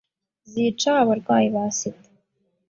zica abarwayi ba Sida.